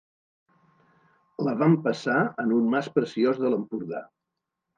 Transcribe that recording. La vam passar en un mas preciós de l'Empordà.